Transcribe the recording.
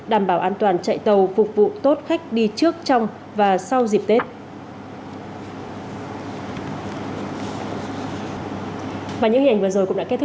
đảm bảo an toàn chạy tàu phục vụ tốt khách đi trước trong và sau dịp tết